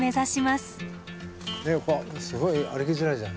すごい歩きづらいじゃん。